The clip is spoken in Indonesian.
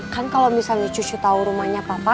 kan kalau misalnya cuci tahu rumahnya papa